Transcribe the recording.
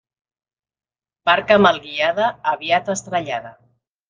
Barca mal guiada, aviat estrellada.